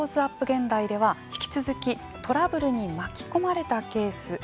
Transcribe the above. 現代では引き続きトラブルに巻き込まれたケース